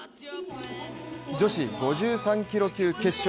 女子５３キロ級決勝。